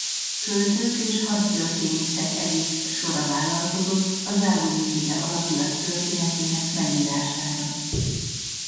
Költők és hadtörténészek egész sora vállalkozott a Zágonyi-féle alakulat történetének megírására.